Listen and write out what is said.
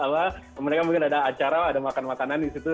mereka mungkin ada acara ada makan makanan di situ